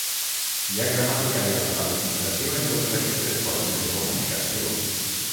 Hi ha gramàtica i alfabetització en totes aquestes formes de comunicació.